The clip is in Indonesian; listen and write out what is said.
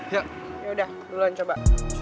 yaudah duluan coba